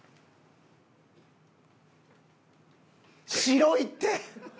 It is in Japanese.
白いって！